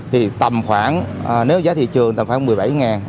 thì tầm khoảng nếu giá thị trường tầm khoảng một mươi bảy